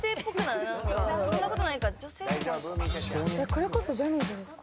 これこそジャニーズですか？